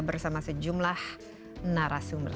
bersama sejumlah narasumber